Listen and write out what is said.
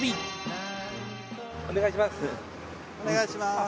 お願いします。